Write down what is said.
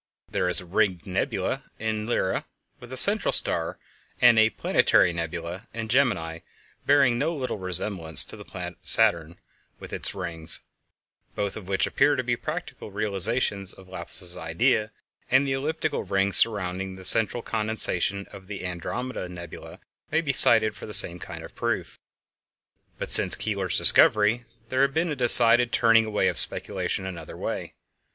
There is a "ring nebula" in Lyra with a central star, and a "planetary nebula" in Gemini bearing no little resemblance to the planet Saturn with its rings, both of which appear to be practical realizations of Laplace's idea, and the elliptical rings surrounding the central condensation of the Andromeda Nebula may be cited for the same kind of proof. [Illustration: Lord Rosse's nebula] But since Keeler's discovery there has been a decided turning away of speculation another way.